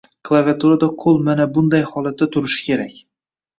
Klaviaturada qo’l mana bunday holatda turishi kerak